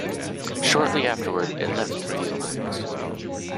Shortly afterwards, it left the Alliance.